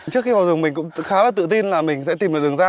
trước khi vào rừng mình cũng khá là tự tin là mình sẽ tìm được đường ra